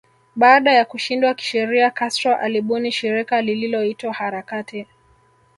Baada ya kushindwa kisheria Castro alibuni shirika lililoitwa harakati